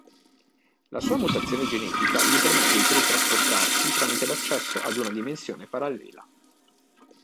La sua mutazione genetica gli permette di teletrasportarsi tramite l'accesso ad una dimensione parallela.